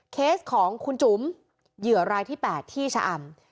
เคสของคุณจุ๋มเหยื่อรายที่๘ที่ชะอำ